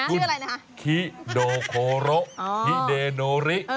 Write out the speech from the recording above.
คุณฮิโรโคโรฮิเดโนริ